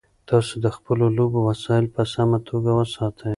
تاسو د خپلو لوبو وسایل په سمه توګه وساتئ.